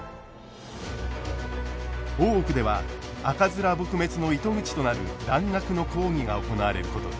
大奥では赤面撲滅の糸口となる蘭学の講義が行われることに。